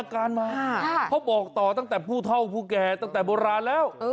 การมาเขาบอกต่อตั้งแต่ผู้เท่าผู้แก่ตั้งแต่โบราณแล้ว